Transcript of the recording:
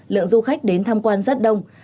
lượng du khách đến thăm quan rất đông